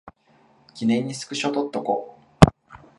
記念にスクショ撮っとこ